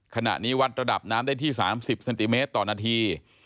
ขณะนี้วัดระดับน้ำได้ที่๓๐เซนติเมตรต่อนาที